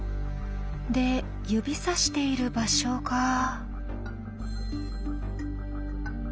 で指さしている場所が。